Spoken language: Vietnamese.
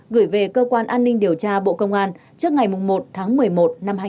gửi về cơ quan an ninh điều tra bộ công an trước ngày một tháng một mươi một năm hai nghìn hai mươi ba